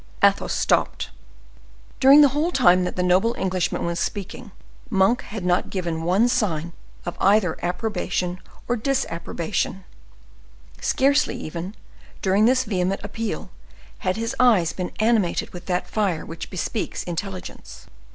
'" Athos stopped. During the whole time that the noble gentleman was speaking, Monk had not given one sign of either approbation or disapprobation; scarcely even, during this vehement appeal, had his eyes been animated with that fire which bespeaks intelligence.